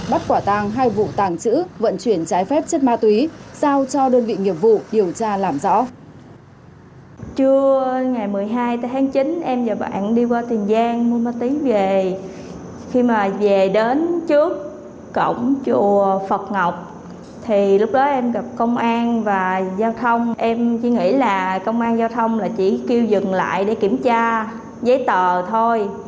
bắt quả tàng hai vụ tàng trữ vận chuyển trái phép chất ma túy sao cho đơn vị nghiệp vụ điều tra làm rõ